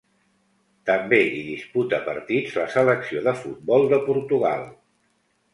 També hi disputa partits la selecció de futbol de Portugal.